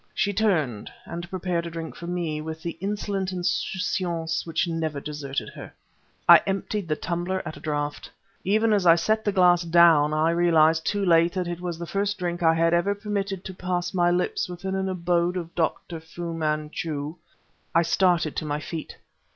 She turned, and prepared a drink for me, with the insolent insouciance which had never deserted her. I emptied the tumbler at a draught. Even as I set the glass down I realized, too late, that it was the first drink I had ever permitted to pass my lips within an abode of Dr. Fu Manchu.... I started to my feet.